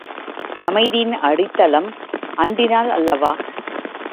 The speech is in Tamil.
அமைதியின் அடித்தளம் அண்டினால் அல்லவா?